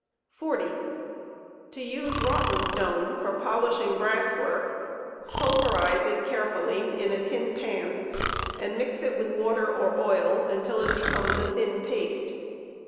Bottenatone. 40. To use rotten stone for polishing brass work, pulverize it carefully in a tin pan'and mix it with water or oil until it becomes a thin paste.